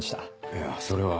いやそれは。